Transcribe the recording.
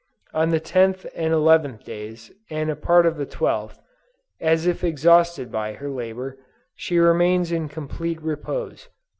On the tenth and eleventh days and a part of the twelfth, as if exhausted by her labor, she remains in complete repose.